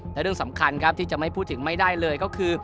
และเรื่องสำคัญครับที่จะไม่พูดถึงไม่ได้เลยก็คือ